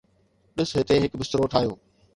ڏس، هتي هڪ بسترو ٺاهيو